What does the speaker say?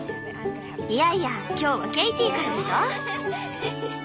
いやいや今日はケイティからでしょ。